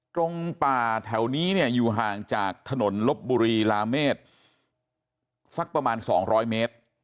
ตรงป่าแถวนี้เนี่ยอยู่ห่างจากถนนลบบุรีลาเมษสักประมาณ๒๐๐เมตร